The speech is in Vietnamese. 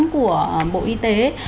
của bộ y tế